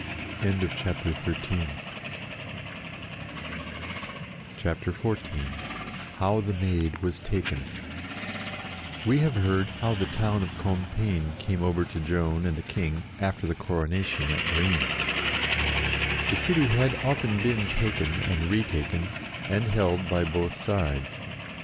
CHAPTER XIV HOW THE MAID WAS TAKEN "ITKTE have heard how the town of Com * piegne came over to Joan and the King, after the coronation at Rheims. The city had often been taken and retaken, and held by both sides.